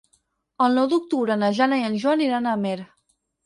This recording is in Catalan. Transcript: El nou d'octubre na Jana i en Joan iran a Amer.